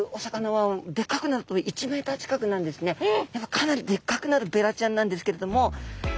かなりでっかくなるベラちゃんなんですけれども。